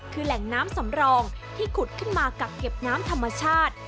คือแหล่งน้ำสำรองที่ขุดขึ้นมากักเก็บน้ำธรรมชาติ